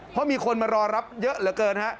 เพราะมีคนมารอรับเยอะเหลือเกินฮะ